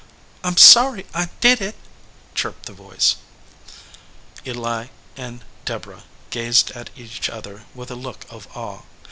"I m sorry I did it," chirped the voice. Eli and Deborah gazed at each other with a look of awe.